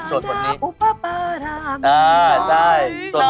สอดได้